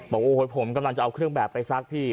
บอกโอ้โหผมกำลังจะเอาเครื่องแบบไปซักพี่